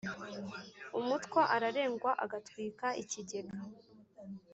Umutwa ararengwa agatwika ikigega.